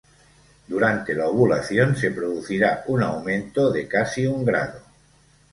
Durante la ovulación se producirá un aumento de casi un grado.